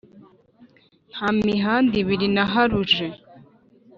Nta mihanda ibiri naharuje!